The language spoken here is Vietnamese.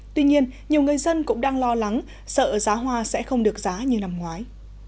tuy nhiên nhiều người dân cũng đang lo lắng sợ giá hoa sẽ không được giá như năm ngoái